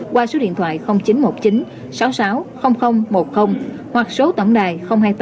qua số điện thoại chín trăm một mươi chín sáu mươi sáu một mươi hoặc số tổng đài hai mươi